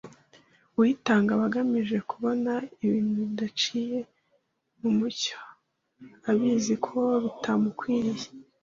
Uyitanga aba agamije kubona ibintu bidaciye mu mucyo abizi ko bitamukwiriye